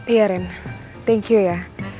iya rin thank you ya